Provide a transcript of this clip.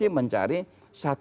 yang dikuasai oleh lembaga swasta